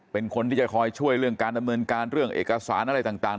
เป็นคนที่จะคอยช่วยเรื่องการดำเนินการเรื่องเอกสารอะไรต่าง